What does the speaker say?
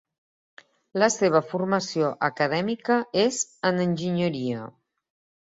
La seva formació acadèmica és en enginyeria.